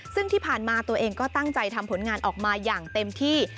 ซึ่งที่ผ่านมาตัวเองก็ตั้งใจทำผลงานออกมาอย่างเต็มที่